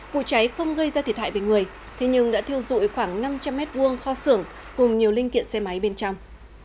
vụ cháy không gây ra thiệt hại về người thế nhưng đã thiêu dụi khoảng năm trăm linh m hai kho xưởng cùng nhiều linh kiện xe máy bên trong